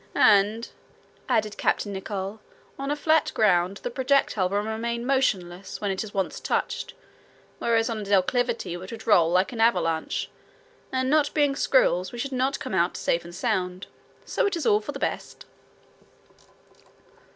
"And," added Captain Nicholl, "on a flat ground, the projectile will remain motionless when it has once touched; whereas on a declivity it would roll like an avalanche, and not being squirrels we should not come out safe and sound. So it is all for the best."